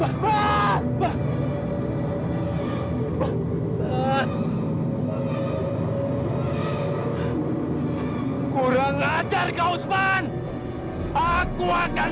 aku akan bakar masinmu